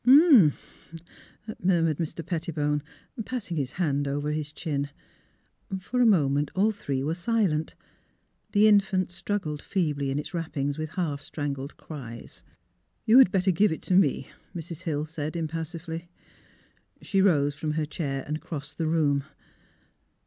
" H'm m," murmured Mr. Pettibone, passing his hand over his chin. For a moment all three were silent. The in fant struggled feebly in its wrappings with half strangled cries. " You had better give it to me," Mrs. Hill said, impassively. She rose from her chair and crossed the room.